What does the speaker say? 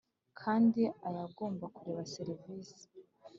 Kandi ayagomba kubera serivisi